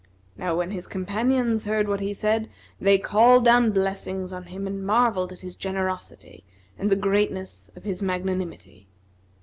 Now when his companions heard what he said, they called down blessings on him and marvelled at his generosity and the greatness of his magnanimity.